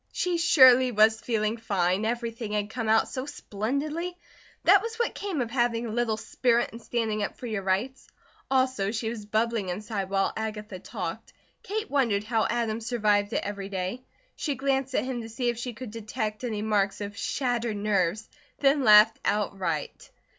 She surely was feeling fine. Everything had come out so splendidly. That was what came of having a little spirit and standing up for your rights. Also she was bubbling inside while Agatha talked. Kate wondered how Adam survived it every day. She glanced at him to see if she could detect any marks of shattered nerves, then laughed outright.